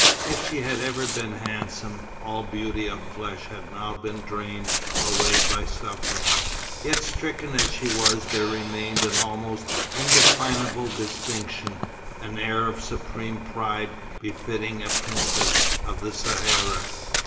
If she had ever been handsome, all beauty of flesh had now been drained away by suffering; yet stricken as she was there remained an almost indefinable distinction, an air of supreme pride befitting a princess of the Sahara.